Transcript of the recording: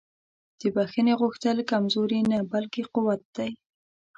د بښنې غوښتل کمزوري نه بلکې قوت دی.